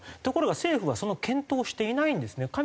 ところが政府はその検討をしていないんですね。